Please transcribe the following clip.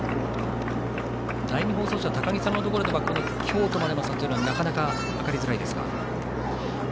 第２放送車の高木さんのところで京都までの差はなかなか測りづらいですか。